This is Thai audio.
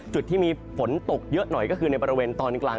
จุดที่มีฝนตกเยอะหน่อยก็คือในบริเวณตอนกลาง